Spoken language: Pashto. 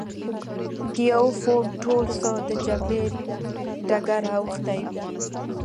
د یوه فورم ټول څه د جګړې ډګر اوښتی وي.